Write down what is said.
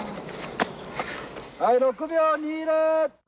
はい６秒２０。